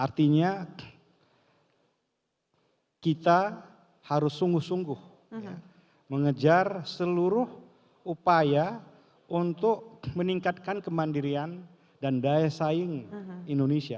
artinya kita harus sungguh sungguh mengejar seluruh upaya untuk meningkatkan kemandirian dan daya saing indonesia